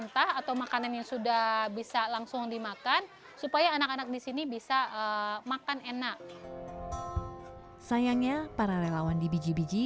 tidak langsung dimakan supaya anak anak disini bisa makan enak sayangnya para relawan di biji biji